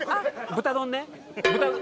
豚丼ね。